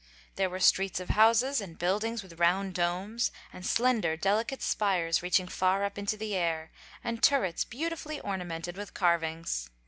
There were streets of houses, and buildings with round domes, and slender, delicate spires reaching far up into the air, and turrets beautifully ornamented with carvings.